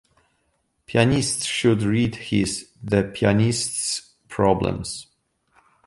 Pianists should read his "The Pianist's Problems".